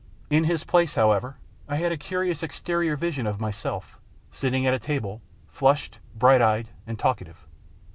In his place, how ever, I had a curious exterior vision of myself sitting at a table, flushed, bright eyed, and talkative.